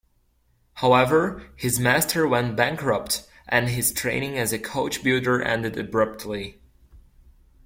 However, his master went bankrupt and his training as a coach-builder ended abruptly.